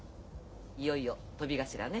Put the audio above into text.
いよいよトビ頭ね。